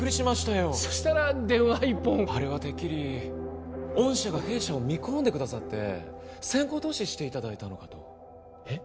よそしたら電話一本あれはてっきり御社が弊社を見込んでくださって先行投資していただいたのかとえっ